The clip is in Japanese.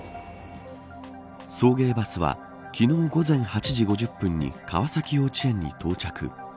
送迎バスは昨日午前８時５０分に川崎幼稚園に到着。